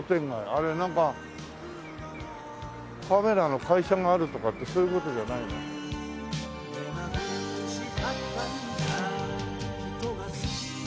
あれなんかカメラの会社があるとかってそういう事じゃないのかな？